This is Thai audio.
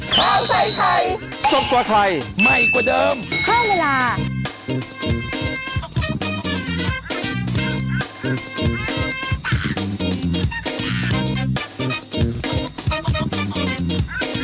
โปรดติดตามตอนต่อไป